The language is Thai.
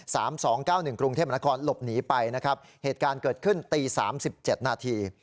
สองเก้าหนึ่งกรุงเทพมนาคมหลบหนีไปนะครับเหตุการณ์เกิดขึ้นตีสามสิบเจ็ดนาที